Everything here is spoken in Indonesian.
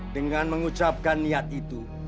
dengan mengucapkan niat itu